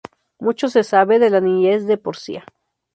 Mucho se sabe de la niñez de Porcia.